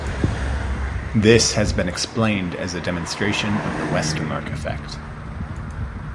This has been explained as a demonstration of the Westermarck effect.